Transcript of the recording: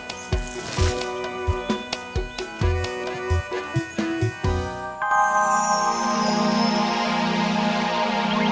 scp yang benar benar